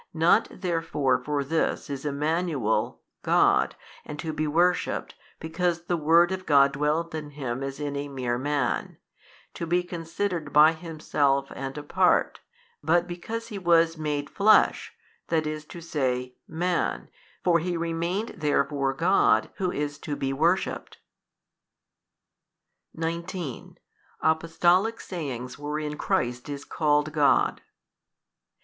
Not therefore for this is Emmanuel. God and to be worshipped because the Word of God dwelt in Him as in a mere man, to be considered by himself and apart, but because He was made flesh, i. e. Man, for He remained therefore God who is to be worshipped. 19. Apostolic sayings wherein Christ is called God.